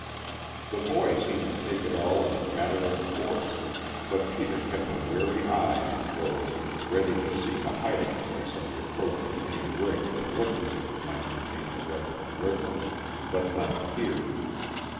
The boy seemed to take it all as a matter of course, but Peter kept a wary eye on the road, ready to seek a hiding place at the approach of any rig that looked as if it might contain the Reverend Briggles, but none appeared.